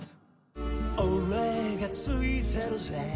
「俺がついてるぜ」